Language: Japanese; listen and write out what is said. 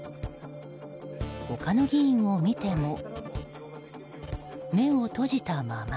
他の議員を見ても目を閉じたまま。